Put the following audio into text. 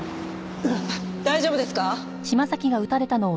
大丈夫ですか？